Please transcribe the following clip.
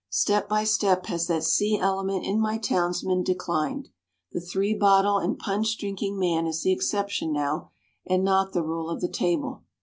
Step by step has that sea element in my townsmen declined. The three bottle and punch drinking man is the exception now, and not the rule of the table.